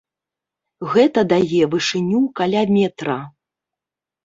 Гэта дае вышыню каля метра.